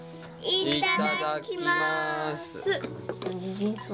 いただきます。